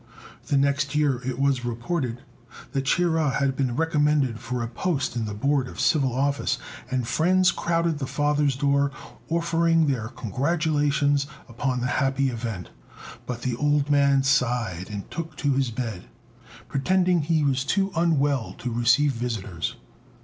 The next year it was reported that Chia had been recommended for a post in the Board of Civil Office, and friends crowded the father's door, offering their congratulations upon the happy event. But the old man sighed and took to his bed, pretending he was too unwell to receive visitors.